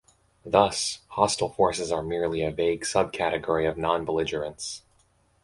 Thus, hostile forces are merely a vague sub-category of non-belligerence.